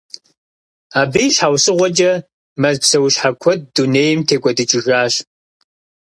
Абы и щхьэусыгъуэкӏэ, мэз псэущхьэ куэд дунейм текӀуэдыкӀыжащ.